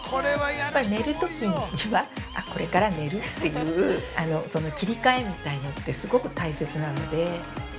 寝るときは、これから寝るという切り換えみたいのって、すごく大切なので。